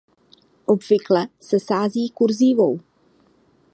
Obvykle se sází "kurzívou".